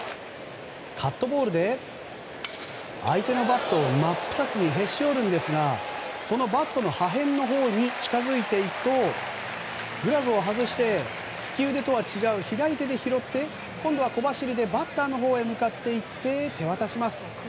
カットボールで相手のバットを真っ二つにへし折るんですがそのバットの破片のほうに近づいていくとグラブを外して、利き腕とは違う左手で拾って今度は小走りでバッターのほうへ向かって行って、手渡します。